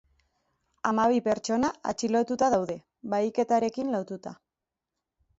Hamabi pertsona atxilotuta daude, bahiketarekin lotuta.